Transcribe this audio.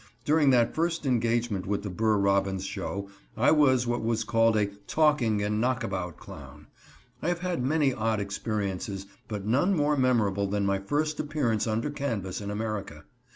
During that first engagement with the Burr Robbins show I was what was called a "talking and knockabout clown." I have had many odd experiences, but none more memorable than my first appearance under canvas in America.